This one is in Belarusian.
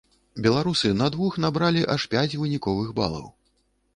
Беларусы на двух набралі аж пяць выніковых балаў.